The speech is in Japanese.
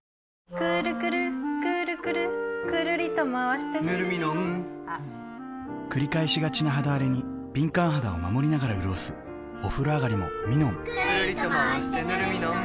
くるくるくるくるぬるミノンくるりとまわしてぬるミノン繰り返しがちな肌あれに敏感肌を守りながらうるおすお風呂あがりもミノンくるりとまわしてぬるミノン